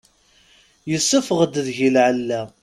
Yessufeɣ-d deg-i lεella.